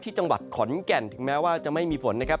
จังหวัดขอนแก่นถึงแม้ว่าจะไม่มีฝนนะครับ